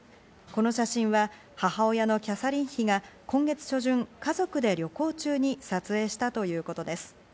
この写真は母親のキャサリン妃が今月初旬、家族で旅行中に撮影したということです。